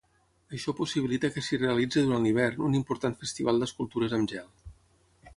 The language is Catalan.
Això possibilita que s'hi realitzi durant l'hivern un important festival d'escultures amb gel.